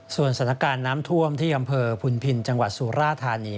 ส่วนสถานการณ์น้ำท่วมที่อำเภอพุนพินจังหวัดสุราธานี